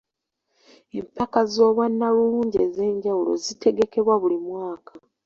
Empaka z'obwannalulungi ez'enjawulo zitegekebwa buli mwaka.